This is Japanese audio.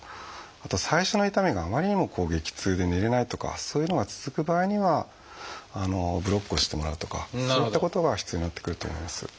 あとは最初の痛みがあまりにも激痛で寝れないとかそういうのが続く場合にはブロックをしてもらうとかそういったことが必要になってくると思います。